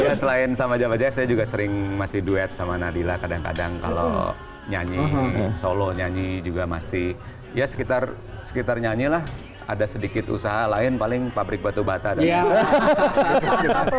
iya selain sama bajaj bajaj saya juga sering masih duet sama nadila kadang kadang kalau nyanyi solo nyanyi juga masih ya sekitar nyanyilah ada sedikit usaha lain paling pabrik batu bata dan lain lain